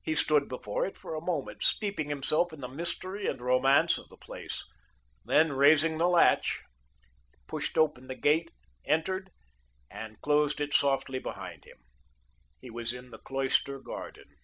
He stood before it for a moment, steeping himself in the mystery and romance of the place, then raising he latch, pushed open the gate, entered, and closed it softly behind him. He was in the cloister garden.